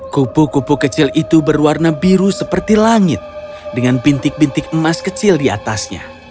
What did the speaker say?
kupu kupu kecil itu berwarna biru seperti langit dengan bintik bintik emas kecil di atasnya